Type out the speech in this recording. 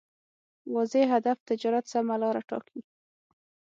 واضح هدف تجارت سمه لاره ټاکي.